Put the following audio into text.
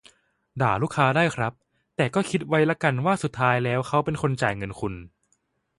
ด่าลูกค้าได้ครับ แต่ก็คิดไว้ละกันว่าสุดท้ายแล้วเขาเป็นคนจ่ายเงินคุณ